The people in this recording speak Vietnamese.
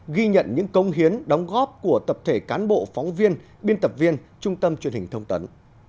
ghi nhận những công hiến đóng góp của tập thể cán bộ phóng viên biên tập viên trung tâm truyền hình thông tấn